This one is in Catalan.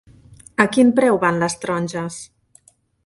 A quin preu van les taronges?